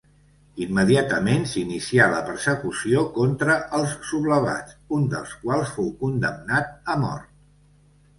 Immediatament s'inicià la persecució contra els sublevats, un dels quals fou condemnat a mort.